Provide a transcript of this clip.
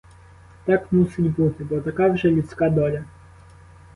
Так мусить бути, бо така вже людська доля.